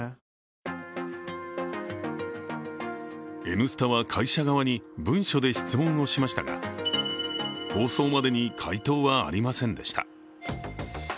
「Ｎスタ」は会社側に文書で質問をしましたが放送までに回答はありませんでした。